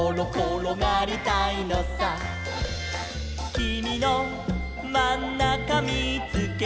「きみのまんなかみーつけた」